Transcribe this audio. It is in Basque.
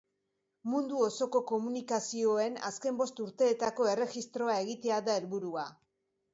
Mundu osoko komunikazioen azken bost urteetako erregistroa egitea da helburua.